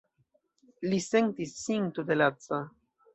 Li sentis sin tute laca.